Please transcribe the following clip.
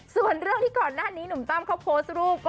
ส่วนเรื่องที่ก่อนหน้านี้หนุ่มตั้มเขาโพสต์รูป